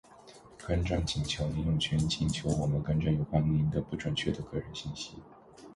更正请求。您有权请求我们更正有关您的不准确的个人信息。